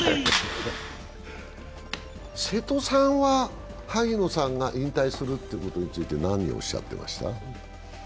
瀬戸さんは萩野さんが引退するということについて何をおっしゃってました？